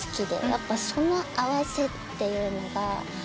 やっぱその合わせっていうのが。